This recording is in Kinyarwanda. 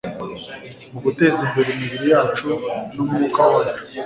mu guteza imbere imibiri yacu n'umwuka wacu